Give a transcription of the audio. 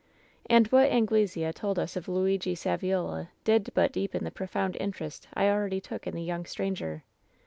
"And what Anglesea told us of Luigi Saviola did but deepen the profound interest I already took in the young stranger.